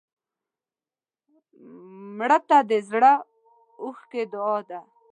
مړه ته د زړه اوښکې دعا ده